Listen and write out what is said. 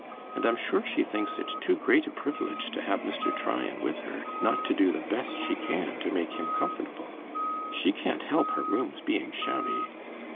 And I'm sure she thinks it too great a privilege to have Mr. Tryan with her, not to do the best she can to make him comfortable. She can't help her rooms being shabby.